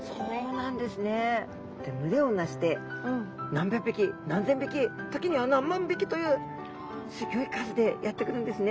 群れを成して何百匹何千匹時には何万匹というすギョい数でやって来るんですね